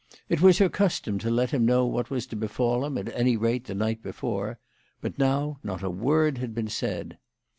It was her custom to let him know what was to befall him at any rate the night before ; but now not a word had been said.